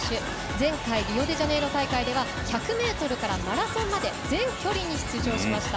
前回リオデジャネイロ大会では１００ｍからマラソンまで全距離に出場しました。